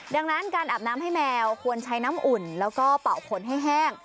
ดังนั้นการอาบน้ำให้แมวควรใช้น้ำอุ่นแล้วก็เป่าขนให้แห้ง